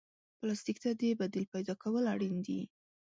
پلاستيک ته د بدیل پیدا کول اړین دي.